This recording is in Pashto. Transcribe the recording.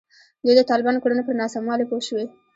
دوی د طالبانو کړنو پر ناسموالي پوه شوي.